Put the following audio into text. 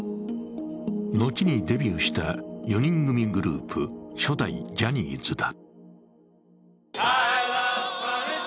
後にデビューした４人組グループ、初代ジャニーズだ。